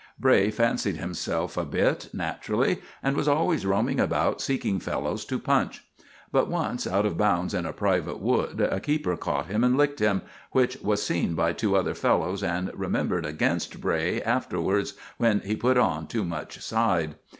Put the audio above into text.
Bray fancied himself a bit, naturally, and was always roaming about seeking fellows to punch. But once, out of bounds in a private wood, a keeper caught him and licked him, which was seen by two other fellows, and remembered against Bray afterwards when he put on too much side.